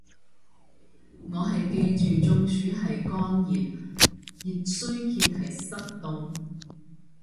我係記住中暑係乾熱，熱衰竭係濕凍